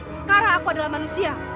sekarang aku adalah manusia